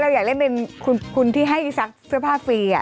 อยากเล่นเป็นคุณที่ให้ซักเสื้อผ้าฟรี